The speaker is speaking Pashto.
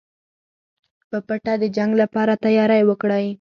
په پټه د جنګ لپاره تیاری وکړئ.